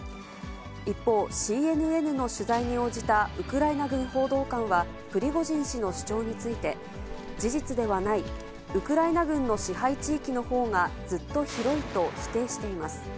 一方、ＣＮＮの取材に応じたウクライナ軍報道官はプリゴジン氏の主張について、事実ではない、ウクライナ軍の支配地域のほうがずっと広いと否定しています。